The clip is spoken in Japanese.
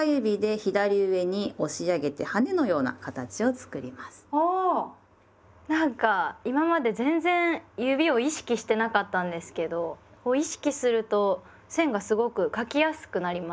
なんか今まで全然指を意識してなかったんですけど意識すると線がすごく書きやすくなりました。